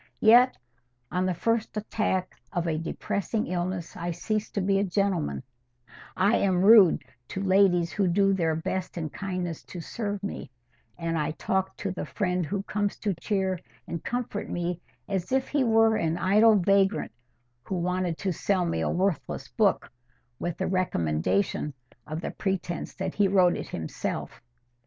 Yet on the first attack of a depressing illness I cease to be a gentleman, I am rude to ladies who do their best and kindest to serve me, and I talk to the friend who comes to cheer and comfort me as if he were an idle vagrant who wanted to sell me a worthless book with the recommendation of the pretence that he wrote it himself.